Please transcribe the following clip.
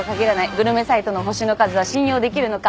グルメサイトの星の数は信用できるのか。